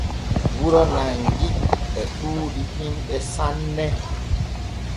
Wuro Nangi e ɗuuɗi himɓe sanne.